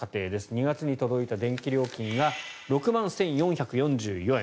２月に届いた電気料金が６万１４４４円。